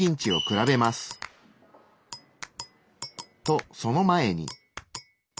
とその前に。